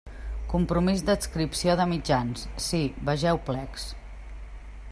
Compromís d'adscripció de mitjans: sí, vegeu plecs.